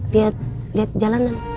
liat liat jalanan